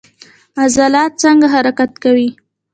عضلات څنګه حرکت کوي؟